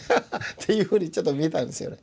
ていうふうにちょっと見えたんですよね。